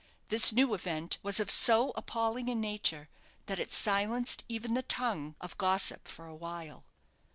This new event was of so appalling a nature, that it silenced even the tongue of gossip for a while.